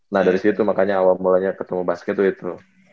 nah dari situ makanya awal mulanya ketemu basket tuh itu